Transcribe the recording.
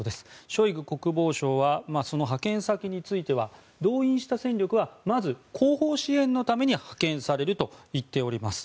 ショイグ国防相はその派遣先については動員した戦力はまず後方支援のために派遣されると言っております。